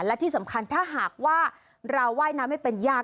และที่สำคัญถ้าหากว่าเราว่ายน้ำไม่เป็นยาก